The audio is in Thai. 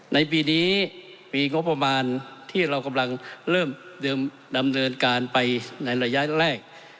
ในปีนี้ปีงบประมาณที่เรากำลังเริ่มดำเนินการไปในระยะแรก